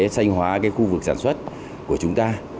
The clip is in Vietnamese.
sanh hóa cái khu vực sản xuất của chúng ta